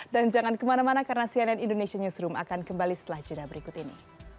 dan jangan kemana mana karena cnn indonesia newsroom akan kembali setelah judah berikut ini